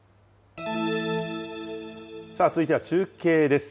さあ、続いては中継です。